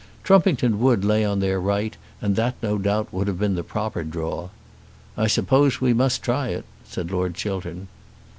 Trumpington Wood lay on their right, and that no doubt would have been the proper draw. "I suppose we must try it," said Lord Chiltern.